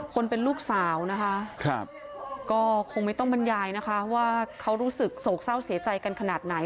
คนเป็นลูกสาวนะคะก็คงไม่ต้องบรรยายนะคะว่าเขารู้สึกโศกเศร้าเสียใจกันขนาดไหน